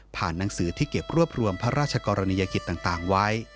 หนังสือที่เก็บรวบรวมพระราชกรณียกิจต่างไว้